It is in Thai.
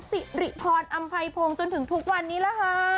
สิริพรอำไพพงศ์จนถึงทุกวันนี้ล่ะค่ะ